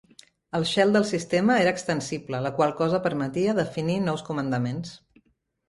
El shell del sistema era extensible, la qual cosa permetia definir nous comandaments.